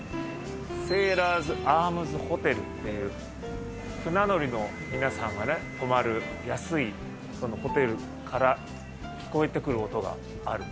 セイラーズ・アームズ・ホテルっていう、船乗りの皆さんがね、泊まる安いホテルから聞こえてくる音がある。